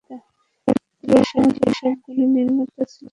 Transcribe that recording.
পুরোনো যেসব গুণী নির্মাতা ছিলেন, তাঁদের যোগ্য অনুসারীও তৈরি হতে পারেনি।